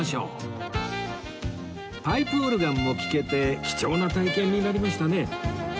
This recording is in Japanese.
パイプオルガンも聴けて貴重な体験になりましたね